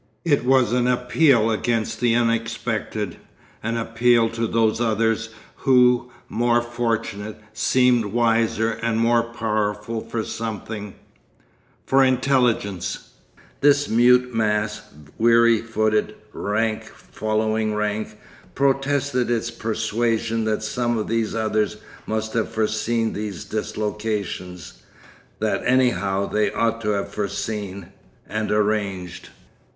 It was an appeal against the unexpected, an appeal to those others who, more fortunate, seemed wiser and more powerful, for something—for intelligence. This mute mass, weary footed, rank following rank, protested its persuasion that some of these others must have foreseen these dislocations—that anyhow they ought to have foreseen—and arranged.